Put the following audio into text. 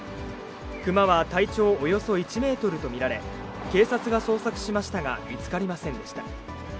熊は体長およそ１メートルと見られ、警察が捜索しましたが、見つかりませんでした。